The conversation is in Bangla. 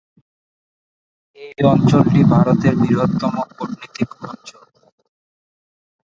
এই অঞ্চলটি ভারতের বৃহত্তম কূটনৈতিক অঞ্চল।